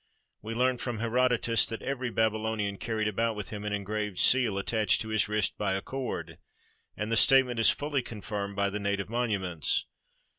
We learn from Herodotus that every Babylonian carried about with him an engraved seal attached to his wrist by a cord, and the statement is fully confirmed by the native monuments.